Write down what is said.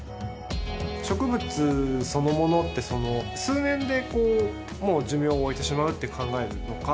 植物そのものって数年でもう寿命を終えてしまうって考えるのか